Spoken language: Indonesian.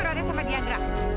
terlalu lama kamu ngebacanya